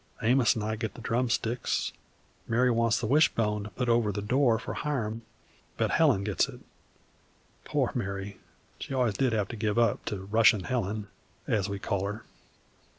Amos and I get the drumsticks; Mary wants the wish bone to put overthe door for Hiram, but Helen gets it. Poor Mary, she always did have to give up to 'rushin' Helen,' as we call her.